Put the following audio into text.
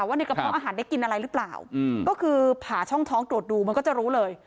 ว่าในกระเพาะอาหารได้กินอะไรหรือเปล่าก็คือผ่าช่องท้องตรวจดูมันก็จะรู้เลย